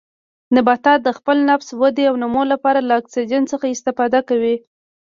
نباتات د خپل تنفس، ودې او نمو لپاره له اکسیجن څخه استفاده کوي.